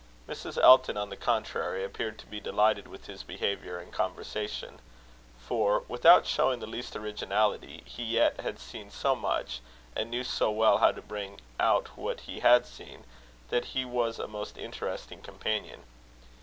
Mrs. Elton, on the contrary, appeared to be delighted with his behaviour and conversation; for, without showing the least originality, he yet had seen so much, and knew so well how to bring out what he had seen, that he was a most interesting companion.